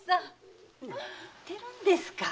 何言ってるんですか。